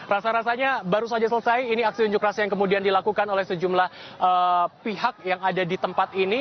rasa rasanya baru saja selesai ini aksi unjuk rasa yang kemudian dilakukan oleh sejumlah pihak yang ada di tempat ini